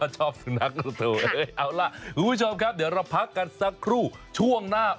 ชอบสุนัขลูกเธอเอาล่ะคุณผู้ชมครับเดี๋ยวเราพักกันสักครู่ช่วงหน้า